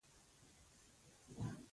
سلا پر دې وشوه چې بل وخت به پرې بحث وکړو.